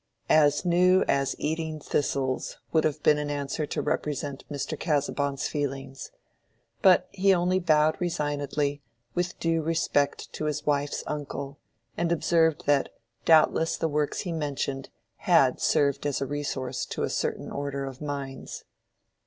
"As new as eating thistles," would have been an answer to represent Mr. Casaubon's feelings. But he only bowed resignedly, with due respect to his wife's uncle, and observed that doubtless the works he mentioned had "served as a resource to a certain order of minds."